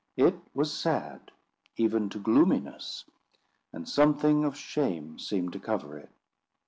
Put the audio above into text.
It was sad, even to gloominess; and something of shame seemed to cover it.